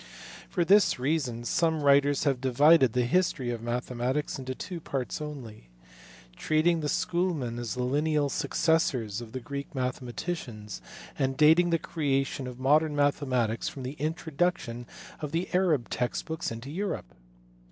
For this reason some writers have divided the history of mathematics into two parts only, treating the schoolmen as the lineal successors of the Greek mathematicians, and dating the creation of modern mathe matics from the introduction of the Arab text books into Europe.